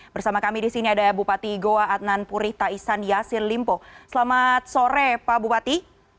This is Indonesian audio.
bersama kami di sini ada bupati goa adnan purih taisan yassin limpo selamat sore pak bupati